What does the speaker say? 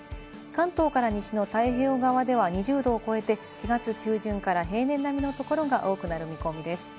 関東から西の太平洋側では２０度を超えて、４月中旬から平年並みの所が多くなる見込みです。